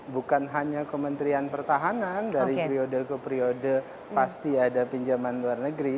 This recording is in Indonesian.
bukan hanya kementerian pertahanan dari periode ke periode pasti ada pinjaman luar negeri